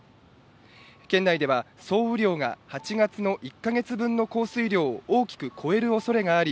県内では総雨量が８月の１か月分の降雨量を大きく超えるおそれがあり、